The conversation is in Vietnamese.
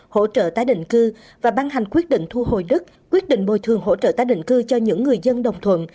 hỗ trợ tái định cư và ban hành quyết định thu hồi đất quyết định bồi thường hỗ trợ tái định cư cho những người dân đồng thuận